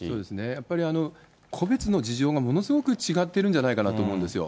やっぱり個別の事情がものすごく違ってるんじゃないかなと思うんですよ。